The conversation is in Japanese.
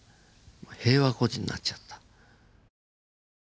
平和孤児になっちゃった。